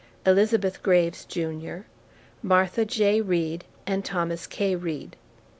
Elizabeth Graves, Jr., Martha J. Reed, and Thomas K. Reed.